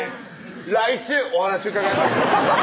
来週お話伺いましょう！